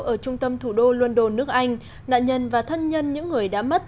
ở trung tâm thủ đô london nước anh nạn nhân và thân nhân những người đã mất